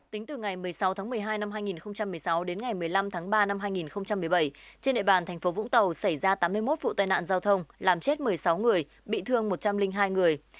tính từ ngày một mươi sáu tháng một mươi hai năm hai nghìn một mươi sáu đến ngày một mươi năm tháng ba năm hai nghìn một mươi bảy trên địa bàn thành phố vũng tàu xảy ra tám mươi một vụ tai nạn giao thông làm chết một mươi sáu người bị thương một trăm linh hai người